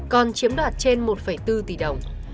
còn chiếm đoạt trên một bốn tỷ đồng